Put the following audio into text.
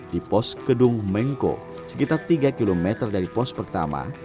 di pos kedung mengko sekitar tiga km dari pos pertama